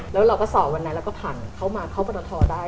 แล้วเราก็สอบวันนั้นแล้วก็ผ่านเข้ามาเข้าปรตทได้